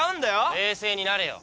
冷静になれよ。